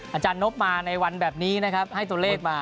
อาจารย์นบมาในวันแบบนี้นะครับให้ตัวเลขมา